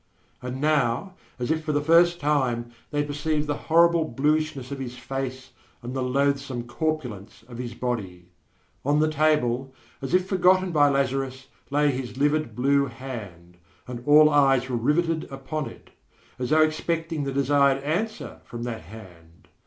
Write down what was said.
And now, as if for the first time, they perceived the horrible bluishness of his face and the loathsome corpulence of his body. On the table, as if forgotten by Lazarus, lay his livid blue hand, and all eyes were riveted upon it, as though expecting the desired answer from that hand.